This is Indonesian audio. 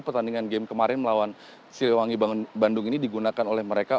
pertandingan game kemarin melawan siliwangi bandung ini digunakan oleh mereka